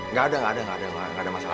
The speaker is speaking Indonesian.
nggak ada nggak ada masalah